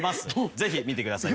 ぜひ見てください。